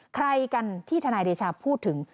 ใครกันที่ทนายเดชาพูดถึง